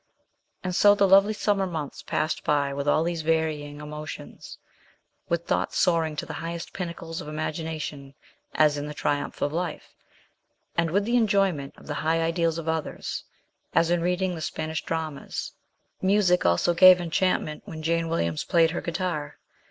And so the lovely summer months passed by with all these varying emotions, with thoughts soaring to the highest pinnacles of imagina tion as in the Triumph of Life, and with the enjoyment of the high ideals of others, as in reading the Spanish dramas : music also gave enchantment when Jane Williams played her guitar.